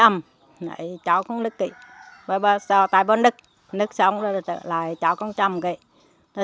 màu sương gió